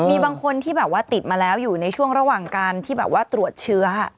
มีบางคนที่แบบว่าติดมาแล้วอยู่ในช่วงระหว่างการที่แบบว่าตรวจเชื้อ